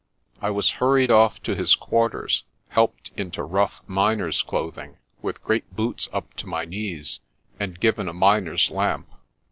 I was hurried off to his quarters, helped into rough, miner's clothing, with great boots up to my knees, and given a miner's lamp.